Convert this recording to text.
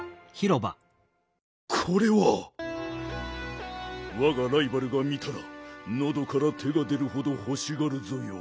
これはわがライバルが見たらのどから手が出るほどほしがるぞよ。